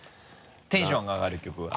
テンションが上がる曲は？